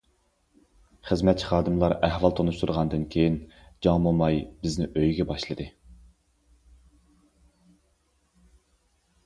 خىزمەتچى خادىملار ئەھۋال تونۇشتۇرغاندىن كېيىن، جاڭ موماي بىزنى ئۆيىگە باشلىدى.